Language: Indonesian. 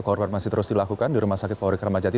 korpor masih terus dilakukan di rumah sakit polri kramacati